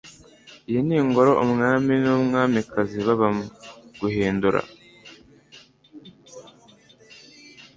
Iyi ni ingoro umwami n'umwamikazi babamo. (Guhindura)